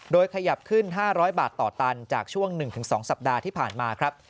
โดยขยับขึ้น๕๐๐บาทต่อตันจากช่วง๑๒สัปดาห์ที่ผ่านมาครับ